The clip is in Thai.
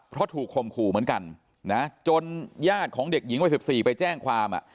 เพราะถูกข่มขู่เหมือนกันนะจนญาติของเด็กหญิงวัย๑๔ไปแจ้งความ